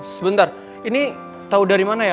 sebentar ini tahu dari mana ya